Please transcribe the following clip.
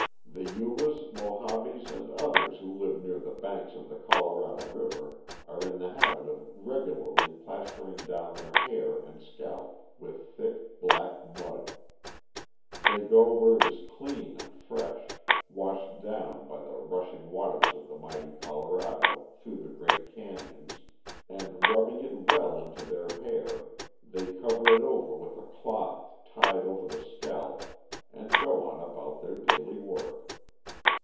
The Yumas, Mohaves, and others who live near the banks of the Colorado River are in the habit of regularly plastering down their hair and scalp with thick, black mud. They go where it is clean and fresh, washed down by the rushing waters of the mighty Colorado through the great canyons and, rubbing it well into their hair, they cover it over with a cloth tied over the scalp and go on about their daily work.